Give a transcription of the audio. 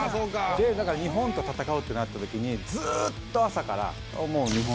だから日本と戦うってなった時にずっと朝から。